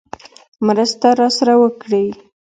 مرسته راسره وکړي.